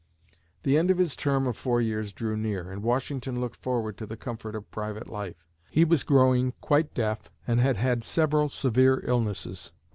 The end of his term of four years drew near and Washington looked forward to the comfort of private life. He was growing quite deaf and had had several severe illnesses.